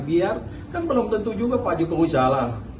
biar kan belum tentu juga pak jokowi pengusaha